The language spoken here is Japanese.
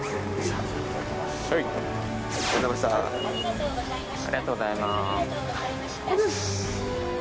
ありがとうございます。